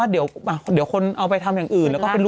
เดี๋ยวคนเอาไปทำอย่างอื่น